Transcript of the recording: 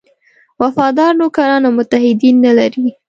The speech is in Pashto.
وفادار نوکران او متحدین نه لري.